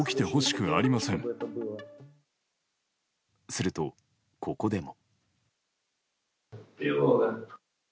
すると、ここでも。